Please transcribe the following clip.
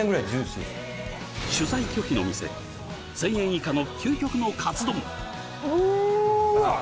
取材拒否の店１０００円以下の究極のカツ丼うわ！